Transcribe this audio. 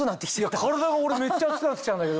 体が俺めっちゃ。